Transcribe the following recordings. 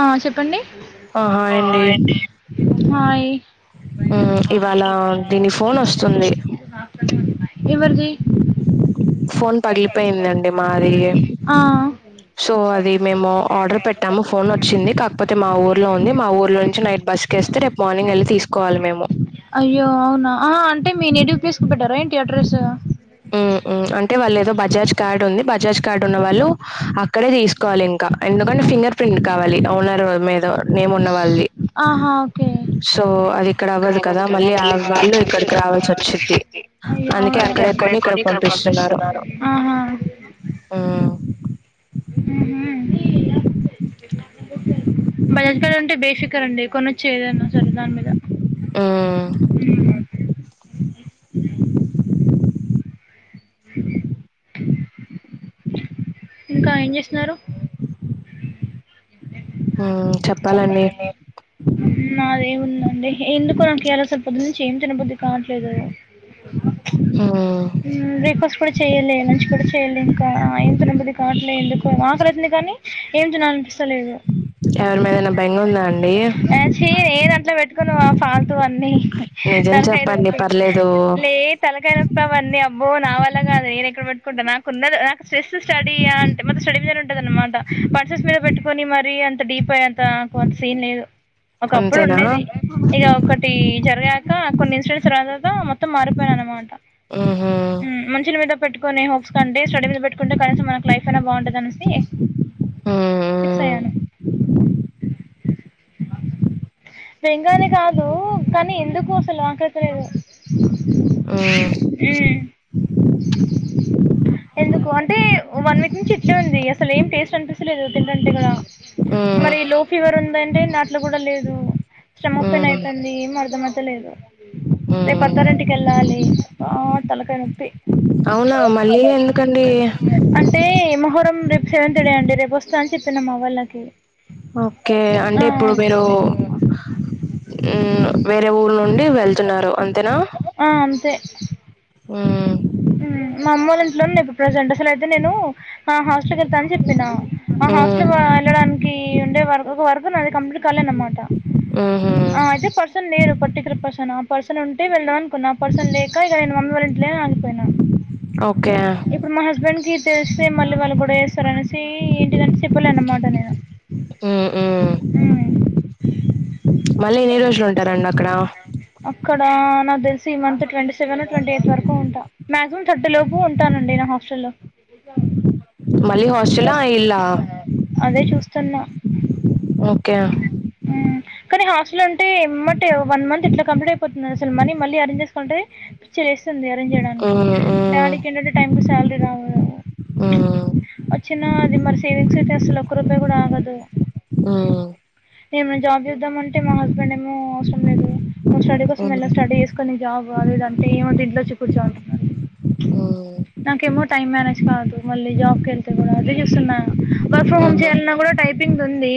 ఆ చెప్పండి ఆ! హాయ్ అండి. ఆయ్ హ్మ్. ఇవాళ దీని ఫోన్ ఒస్తుంది. ఎవరిదీ [unintelligible] ఫోన్ పగిలిపోయిందండి మాదీ ఆ సో అది మేము ఆర్డర్ పెట్టాము. ఫోన్ ఒచ్చింది కాకపోతే మా ఊర్లో ఉంది. మా ఊర్లో నుంచి నైట్ బస్కేస్తే రేపు మార్నింగ్ ఎళ్ళి తీసుకోవాలి మేము. అయ్యో అవునా! ఆ అంటే మీ నెటివ్ ప్లేస్కు పెట్టారా ఏంటి అడ్రసూ? మ్మ్ మ్మ్ అంటే వాళ్ళు ఏదో బజాజ్ కార్డ్ ఉంది బజాజ్ కార్డ్ ఉన్న వాళ్ళు అ క్కడే దీసుకోవాలి ఇంకా ఎందుకంటే ఫింగర్ ఫ్రింట్ కావాలి ఓనర్ మీద మేము ఉన్న వాళ్ళది. ఆహా ఓకే సో అది ఇక్కడ అవ్వదు కదా మళ్ళీ ఆ వాళ్ళు ఇక్కడికి రావాల్సోచ్చిద్ది, అందుకే అక్కడే కొని ఇక్కడికి పంపిస్తున్నారు. ఆ ఉహు కదండి కొనొచ్చు ఏదైనా సరే దాని మీద హ్మ్. మ్మ్ హ్మ్ ఇంకా ఏం జేస్తున్నారు? చెప్పాలండి అదే ఉందండి ఎందుకో నాకు ఎలా సరిపోద్దు నుంచి ఏం తినపోద్దు కావట్లేదు [inaudible] మ్మ్ బ్రేక్ఫాస్ట్ కూడా చెయ్యలె, లంచ్ కూడా చెయ్యలే ఇంకా ఏం తినబుద్ధి కావట్లే ఎందుకో ఆకలైతాంది కానీ ఏం తినాలనిపిస్తలేదు ఎవరి మీదైనా బెంగ ఉందా అండి ఆ చీ నేను అట్లా పెట్టుకున్నా ఫల్తూ అన్నీ త నిజం చెప్పండి పర్లేదు [unintelligible] లే తలకాయ ఇవన్నీ అబ్బో నా వల్ల కాదు నేను ఎక్కడ పెట్టుకుంటా నాకు ఉన్న నా స్ట్రెస్ స్టడీ అంటే మొత్తం స్టడీ మీదనే ఉంటుందన్నమాట పర్సెస్ మీద పెట్టుకొని మరి అంత డీప్ అయ్యాక [inaudible] సీన్ లేదు ఒకప్పుడు అంతేనా ఉండేది ఇక ఒకటి జరిగాక కొన్ని ఇన్సిడెన్స్ తర్వాత మొత్తం మారిపోయానన్నమాట మ్మ్ హ్మ్ మనుషుల మీద పెట్టుకునే హోప్స్ కంటే స్టడీ మీద పెట్టుకుంటే కనీసం మనకు లైఫ్ అయినా బాగుంటది అనేసి ఫిక్స్ అయ్యాను మా బెంగనే కాదు కానీ ఎందుకు అసలు ఆకలైతాలేదు మ్మ్ మ్మ్ ఎందుకు అంటే వన్ వీక్ నుంచి ఇట్లే ఉంది అసలు ఏం టేస్ట్ అనిపించలేదు తింటంటే కూడా మ్మ్ మరి లో ఫీవర్ ఉందంటే నోట్లో కూడా లేదు స్టమక్ పెయిన్ మ్మ్ మ్మ్ అయితాంది కడుపు నొప్పి లేదు రేపు మ్మ్ అత్తారింటికి వెళ్ళాలి అబ్బా తలకాయ నొప్పి అవునా మళ్ళీ ఎందుకండి అంటే మొహరం రేపు సెవంత్ డే అంటే రేపు వస్తా అని చెప్పిన అమ్మా వాళ్ళకి ఓకే అంటే ఇప్పుడు మీరు మ్మ్ వేరే ఊరు నుండి వెళ్తున్నారు అంతేనా ఆ అంతే మ్మ్ [unintelligible] ఇప్పుడు ప్రజెంట్ అసలు అయితే నేను హాస్టల్ వెళ్తా అని చెప్పిన ఆ మ్మ్ హాస్టల్ వెళ్ళడానికి ఉండే వర్ ఒక వర్కున్నది కంప్లీట్ కాలే అన్నమాట మ్మ్ హ్మ్ ఆ అది ప న్ లేదు పర్టికులర్ పర్సన్ ఆ పర్సన్ ఉంటే వెళ్దాం అనుకున్నా ఆ పర్సన్ లేక ఇగ నేన్ మమ్మీ వాళ్ళింట్లే పోయిన ఓ ఇప్పుడు మా హస్బెండ్ కి తెలిస్తే మళ్ళీ వాళ్ళు గొడవ చెస్తారు అనేసి ఏంటిదంటే చెప్పలే అన్నమాట నేను ఉ ఉ్ ఉమ్ అక్కడ నాకు దెల్సి ఈ month twenty seven twenty eight వరకు ఉంటా మాక్సిమం థర్టీ లోపు ఉంటానండి నా హాస్టల్లో మళ్ళీ హాస్టలా ఇల్లా అదే చూస్తున్నా ఓకే ఉమ్ కానీ హాస్టల్ ఉంటే ఎమ్మాటే వన్ మంత్ ఇట్లా కంప్లీట్ అయిపోతుంది అసల్ మనీ మళ్ళీ అరేంజ్ చేసుకువంటే పిచ్చి లేస్తు స్తుంది అరేంజ్ చేయడానికి మ్మ్ మ్మ్ డాడీకి ఏంటంటే టైంకి శాలరీ రావ్ గదా హ్మ్ వచ్చిన అది మరి సేవింగ్స్ అయితే అసలు ఒక్క రూపాయి కూడా ఆగదు ఆ ఏమైనా జాబ్ చేస్ద్దామంటే మా హస్బెండ్ ఏమో అవసరం లేదు నువ్ స్టడీ కోసం ఎళ్లావ్ స్టడీ చేసుకొని జాబ్ అది ఇది అంటే ఏమోద్దు ఇంట్లోచ్చి కూర్చొ అంటున్నాడు ఉ నాకేమో టైమ్ మేనేజ్ కాదు మళ్ళీ జాబ్ కెళ్తే గుడా అదే చూస్తున్నా వర్క్ ఫ్రమ్ హోమ్ హ్మ్ చేయాలన్నా కూడా టై పింగ్ ఉంది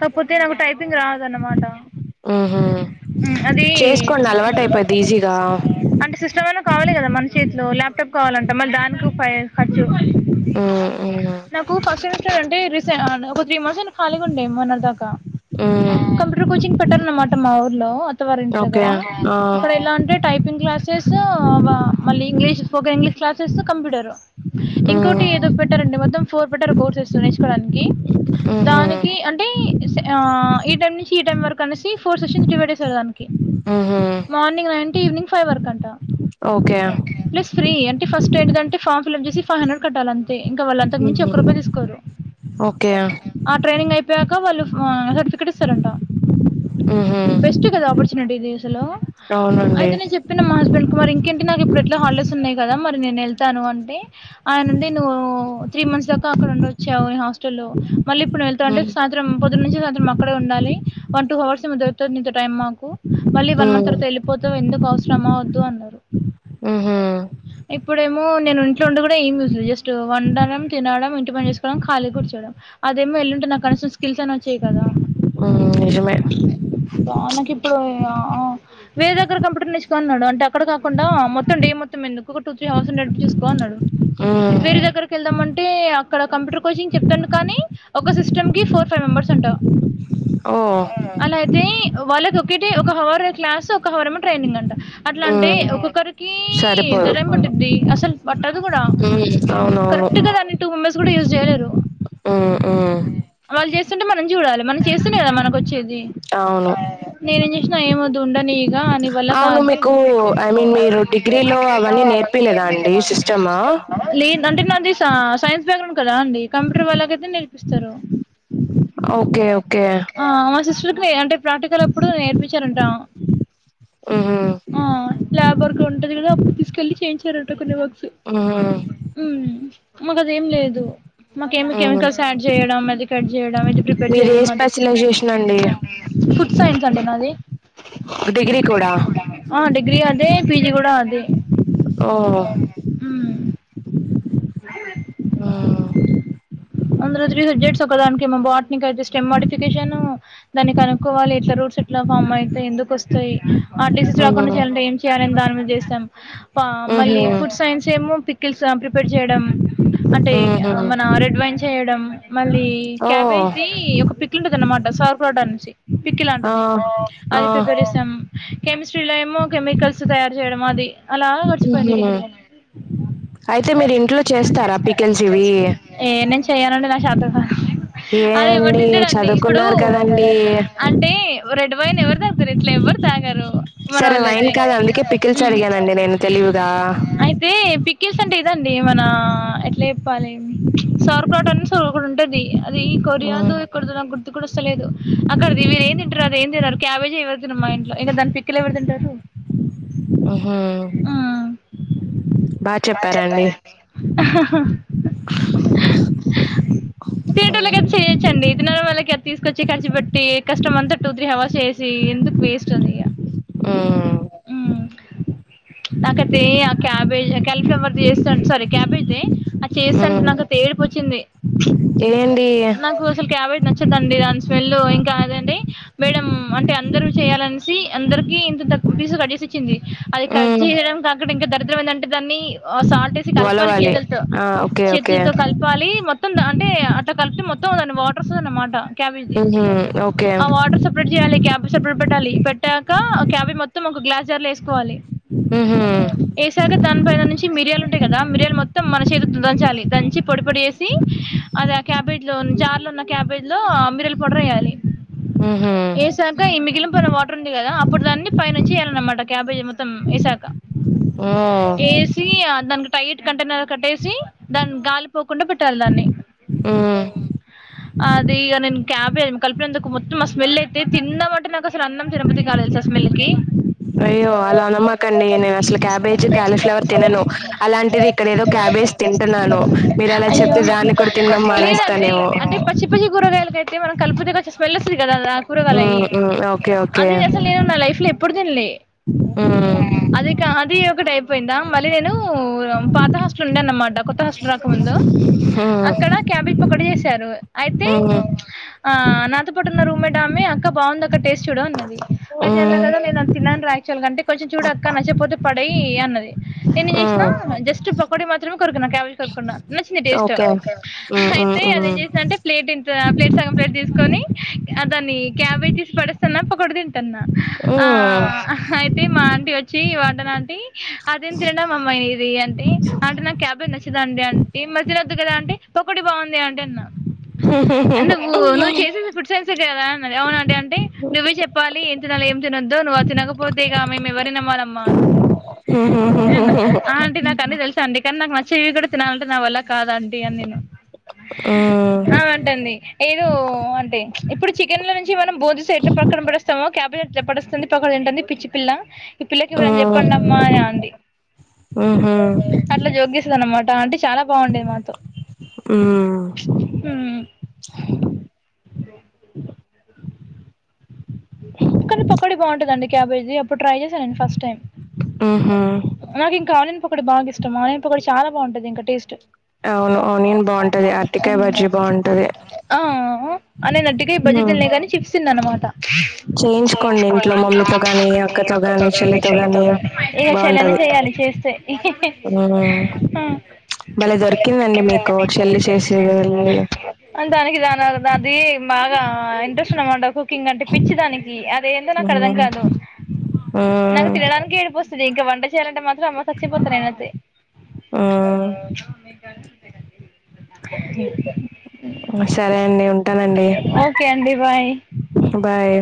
కాకపోతే నాకు టైపింగ్ రాదన్నమాట ఊహూ అది చేసుకోండి అలవాటు అయిపోద్ది ఈజీగా అంటే సిస్టర్ వాళ్ళ కావాలి కదా మన చేతులో ల్యాప్టాప్ కావాలంటే మళ్ళీ దానికొ ఫై ఖర్చు హ్మ్ హ్మ్ నాకు ఫస్ట్ సెమిస్టర అంటే రీసె అ ఒక త్రీ మంత్స్ అలా ఖాలిగుండె మొన్నర్ దాకా హ్మ్ కంప్యూటర్ కోచింగ్ పెట్టారన్నమాట మా ఊర్లో అత్తవారి ఇంటి ఓకే దగ్గర ఆ అక్కడ ఎలా ఉంటే టైపింగ్ క్లాసెస్ మళ్ళీ English spoken English classes computer హ్మ్ ఇంకోటి ఏదో పెట్టారండి మొత్తం ఫోర్ పెట్టర్ కోర్సెస్ నేర్చుకోవడానికి ఊహూ దానికి అంటే అ ఈ టైమ్ నుంచి ఈ టైం వరకు అనేసి ఫోర్ సెషన్ డివైడ్ చేసారు దానికి ఆహా టీవినింగ్ ఫైవ్ వరకు అంట ప్లీస్ ఫ్రీ అంటే ఫస్ట్ ఏంటిదింటే ఫామ్స్ ఫిలప్ చేశి ఫైవ్ హండ్రెడ్ కట్టాలం ఇంకా వాళ్ళంతకు మించి ఊహూ ఒక్క రూపాయి తీసుకోరు ఓకే ఆ ట్రైనింగ్ అయిపోయాక వాళ్ళు అ సర్టిఫికెట్ ఇస్తారంట ఊహూ బెస్ట్ కదా ఆపర్చునిటీది అసలు అవునండి అయితే నే చెప్పిన మా హస్బండ్ కు మర్ ఇంకేంటి నాకు ఇప్పుడు ఎట్లా హాలిడేస్ న్నాయి కదా మరి నేను ఎళ్తాను అంటే ఆయనుండి నువ్వు త్రీ మంత్స్ దాకా అక్కడుండచ్చావు హస్టల్లో మళ్ళీ ఇప్పుడు ఎళ్తాంటే హ్మ్ సాయంత్రం పొదునుంచి సాయంత్రం అక్కడే ఉండాలి వన్ టూ అవర్స్ దొరుకుతది నీతో టైమ్ మాకు మళ్ళీ వన్ మంత్ హ్మ్ తర్వాత వెళ్ళిపోతవ్ ఎందుకు అవస రమ వద్దు అన్నారు ఊహూ ఇప్పుడేమో నేను ఇంట్లో ఉండి కూడా ఏం [unintelligible] జస్ట్ వండడం తినడం ఇంటి పని చేసుకోవడం ఖాళీ కూర్చోడం అదేమో ఎల్లుంటే నాకు కనీసం స్కిల్స్ అన్నా వచ్చేయి కదా హ్మ్ నిజమే అబ్బా నాకి ఇప్పుడు వేరే దగ్గర కంప్యూటర్ నేర్చుకో అన్నాడు అంటే అక్కడ కాకుండా మొత్తండి మొత్తం ఎందుకు ఒక టూ త్రీ హవర్స్ ఉండేట్టు చూసుకో అన్నాడు హ్మ్ వేరె దగ్గర వెళ్దామంటే అక్కడ కంప్యూటర్ కోచింగ్ చెప్తాండు కానీ ఒక సిస్టమ్ కి ఫోర్ ఫైవ్ మెంబర్స్ అంట ఓ హలో అయితే వాళ్ళకి ఒకటి ఒక హవర్ క్లాస్ ఒక హవరేమో ట్రైనింగ్ అంట అట్లా అంటే హ్మ్ ఒక్కొక్కరి కి ఎంత సరిపోదు టైం పట్టుది అసలు పట్టదు గూడా హ్మ్ అవునవును కరెక్ట్ గా టూ మెంబర్స్ గూడా జేయలేరు హ్మ్ హ్మ్ వాళ్ళు జేస్తుంటే మనం జూడాలి మనం చేస్తనే గదా మనకు వచ్చేది అవును నేనేం జేసిన ఏం వద్దు ఉండని ఇగ అని వల్ల అవును కాదు మీకు ఐ మీన్ అది మీరు డిగ్రీలో అవన్నీ అవన్ని నేర్పియలేదా అండి నేర్పీయలేదా సిస్టమా? అండి లే అంటే నాది సా సైన్స్ బ్యాగ్రౌండ్ కదా అండి కంప్యూటర్ వాళ్ళకైతే నేర్పిస్తరు ఓకే ఓకే చురుక్కునే అంటే ప్రాక్టికల్ అప్పుడు నేర్పించారంటా హుహు. ఆ ల్యాబ్ వర్కు ఉంటది కదా అప్పుడు తీసుకెళ్ళి చేయించారంట కొన్ని వర్ ఉమ్ మాకు అదేం లేదు మాకేమి హ్మ్. కెమికల్స్ యాడ్ చేయడం అది కట్ చేయడం ఇది ప్రి మీది ఏ స్పెషలైజేషన్ అండి ఫుడ్ సైన్స్ అండి నాది డిగ్రీ కూడా. డిగ్రీ అదే పీజి గూడా అదే ఆ ఉమ్ [inaudible] ఉమ్ అందులో త్రీ సబ్జెక్ట్స్ ఒక దానికి ఏమో బాట్ని కైతే స్టెమ్ మాడిఫికేషన్ దానికి కనుక్కోవాలి ఎట్లా రూట్స్ ఎట్లా ఫామ్ అయితయ్ ఎందుకు వస్తాయి ఆ డిసీస్ రాకుండా హ్మ్. చేయాలంటే ఏం చేయాలని దాని మీద చేస్తాం హుహు. మళ్ళీ ఫుడ్ సైన్స్ ఏమో పిక్కిల్స్ ప్రిపేర్ చేయడం అంటే హుహు. మన రెడ్ వైన్ చేయడం మళ్ళీ క్యాబేజ్ ఓహ్! ది ఒక పికిల్ ఉంటది అన్నమాట సార్ ప్రోట నుంచి పికిల్ ఆ! లాంటిది ఆ! అది ప్రిపేర్ చేస్తాం కెమిస్ట్రీలో ఏమో కెమికల్స్ తయారు చేయడం అది అలా గడిచిపోయింది హుహు. డిగ్రీ అయితే మీరు ఇంట్లో చేస్తారా పికిల్స్ ఇవి? ఏ నేను చేయనండి నాకు షేతగాదు అది ఎవరు ఏండి దింటరండి ఇప్పుడు చదువుకున్నారు కదండీ. అంటే రెడ్ వైన్ ఎవరు దాతరు ఇంట్లో మరి తాగరు సరే వైన్ మనోలైతే కాదు అందుకే పికిల్స్ ఉమ్ అడిగానండి నేను తెలివిగా. అయితే పికిల్స్ ఇదండి మన ఎట్లా చెప్పాలి సర్కాటన్స్ ఒకటుంటది అది హ్మ్. కొరియాదో ఎక్కడదో నాకు గుర్తు కూడా వస్తలేదు అక్కడది వీరు ఏం తింటారు ఏం తినరు క్యాబేజి ఎవరు తినరు మా ఇంట్లో దాని పికిల్ ఎవరు దింటారు ఉమ్ హూ చెప్పారా అండి తినేటోళ్ళ కైతే చేయొచ్చండి తినని వాళ్ళకి తీసుకొచ్చి ఖర్చు పెట్టి కష్టం అంతా టూ త్రీ హవర్స్ చేసి ఎందుకు వేస్ట్ అది ఇగ ఉమ్ నాకైతే ఏ ఆ క్యాబేజ్ క్యాలిఫ్లవర్ జేస్తా సారీ క్యాబేజే ఆది చేస్త అంటే ఉమ్ నాకైతే ఏడుపు వచ్చింది ఇదేంటి నాకు అసలు క్యాబేజ్ నచ్చదండి దాని స్మెల్ ఇంకా కాదండి మేడం అంటే అందరూ చేయాలనేసి అందరికి ఇంతింత పీసు కట్ జేసి ఇచ్చింది అది కట్ ఉమ్ జేయడం కాకుండా ఇంకా దరిద్రం ఏందంటే దాన్ని సాల్ట్ యేసి కలపాలి వలవాలి చేతులతో ఆ ఓకే ఓకే చేతులతో కలపాలి మొత్తం అంటే అట్ట కలిపితే మొత్తం మొత్తం దాని వాటర్ వస్తది అన్నమాట క్యాబేజ్ ది ఉహు ఓకే ఆ వాటర్ సపరేట్ చేయాలి క్యాబేజ్ సపరేట్ పెట్టాలి. పెట్టాక క్యాబేజ్ మొత్తం ఒక గ్లాస్ జార్ల యేసుకోవాలి ఉహు యేసాక దాని పైన నుంచి మిరియాలు ఉంటయ్ గదా మిరియాలు మొత్తం మన చేతితో దంచాలి దంచి పొడి పొడి చేసి అది ఆ క్యాబేజ్ లో జార్ లో నా క్యాబేజ్ లో మిరియాల పౌడర్ వేయాలి ఉహు యేసాక ఈ మిగిలిపోయిన వాటర్ ఉన్ ఉంది కదా అప్పుడు దాన్ని పైనుంచి వెయాలన్నమాట క్యాబేజ్ మొత్తం ఏసాక ఓ ఏ సి అదన్ టైట్ కంటైనర్ కట్టేసి దాన్ని గాలిపోకుండా పెట్టాలి దాన్ని ఉమ్ అది ఇగ నేన్ క్యాబ్ ఏమి కలిపినందుకు మొత్తం మా స్మెల్ అయితే తిందాం అంటే నాక్ అసలు అన్నం తినబుద్ధి కాలే తెల్సా ఆ స్మెల్ కి అయ్యో అలా అనమాకండి నేను అసలు క్యాబేజ్ అ క్యాలీఫ్లవర్ తినను అమ్మలు అలాంటిది అలాంటి ఇక్కడ ఏదో క్యాబేజ్ తింటున్నాను మీరు అలా అయ్యో చెప్తే దాన్ని కూడా తినడం లేదండి మానేస్తానేమో అంటే పచ్చి పచ్చి కూరగాయలు అయితే మనం కలిపుతే కొంచం స్మెల్ వస్తది కదా అది ఆ కూరగాయాలయి ఉమ్ ఉమ్ ఓకే ఓకే అది అసలు నేను నా లైఫ్ లో ఎప్పుడు తినలే ఉమ్ అది కా అది ఒకటి అయిపోయిందా మళ్ళీ నేను పాత హాస్టల్ ఉండే అన్నమాట కొత్త హాస్టల్ రాకముందు అక్కడ ఉమ్ క్యాబేజ్ పకోడీ చేశారు అయితే ఉమ్ ఆ నాత పట్టున్న రూమ్ మెట్ ఆమే అక్క బాగుంది అక్క టేస్ట్ చూడు అన్నది. అయితే అన్నా ఉమ్ కదా నేను అతి తినను రా కొంచెం చూడు అక్క నచ్చపోతే పడేయి అన్నది. నేనేం చేసిన ఉమ్ జస్ట్ పకోడి మాత్రమే కొరుకిన్నా క్యాబేజ్ కొరుకుండా నచ్చింది టేస్ట్ ఓకే ఉమ్ ఉమ్ అయితే అదేం ఉమ్ చేసందింటే ప్లేట్ ఇంత ప్లేట్ సగం ప్లేట్ తీసుకొని అదాని క్యాబేజీస్ పడేస్తాన్నా పకోడీ తింటున్నా ఆ ఉహు అయితే మా ఆంటీ వచ్చి వార్డెనాంటీ అదే ఏం తినడం అమ్మాయి ఫ్రీ అంటే నాకు క్యాబే నచ్చదాండి అంటే మధ్యల వద్దు కదా అంటే ఒకటి బాగుంది అంటన్నా అంటే నువ్వు నువ్వు చేసేది ఫుడ్ సైన్సె కదా అన్నది అవును అంటే నువ్వే చెప్పాలి ఎంతినలో ఏం తినొద్దో నువ్వు తినకపోతేగా మేము ఎవరిని నమ్మాలమ్మా అన్నాది. ఊ అంటీ నాకు అన్నీ తెలుసా ఆంటీ కానీ నాకు నచ్చయి కూడా తినాలంటే నా వల్ల కాదంటీ అని నేను హా అంటంది. ఏదో అంటే ఇప్పుడు చికెన్ల నుంచి మనం బోధిస్ ఎట్లా ప్ర అక్కడ పడస్తాము క్యాబిజ్ ఎట్లా పడుస్తుంది పకోడీ తింటుంది. పిచ్చి పిల్ల పిల్లకి ఎవరని చెప్పండమ్మా అని అంది అట్లా జోగ్జేసింది అన్నమాట అంటే చాలా బాగుండేది మాతో హ్మ్ లో కానీ పకోడీ బాగుంటుందండి క్యాబేజీ అప్పుడు ట్రై చేశాను నేను ఫస్ట్ టైం నాకు ఇంకా ఆనీయన్ పకోడి బాగా ఇష్టం ఆనియన్ పకోడి చాలా బాగుంటది ఇంకా టేస్ట్ అవు బాగుంటది ఆ అనేనట్టుగా ఈ బడ్జి తినలే కాని చిప్స్ తిన్న అనమాట చేయించుకోండి ఇంట్లో మమ్మీతో కాని అక్కతో కాని చెల్లితో కాని ఇక చెల్లనే చే చేయాలి చేస్తే ఆ ఆ, చేసేది వెళ్ళి దానికి దానీ ఆ అది మా ఇంట్రెస్ట్ అన్నమాట కుకింగ్ అంటే నికి అదేందో నాకు అర్థం కాదు నాకు తినడానికి ఏడిపో వస్తది ఇంకా వంట చేయాలంటే మాత్ ఇగ సచ్చిపోత నేనైతే ఆ సరే అండి ఉంటా ఓకే అండి బాయ్ బాయ్